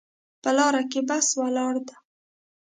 په لاره کې بس ولاړ ده